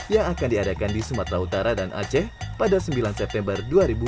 yang akan diadakan di sumatera utara dan aceh pada sembilan september